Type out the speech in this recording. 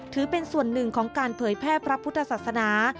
ถือเป็นส่วนหนึ่งของการเผยแพร่พระพุทธศาสนา